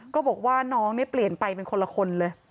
ก็บอกว่าน้องเนี่ยเปลี่ยนไปเป็นคนละคนเลย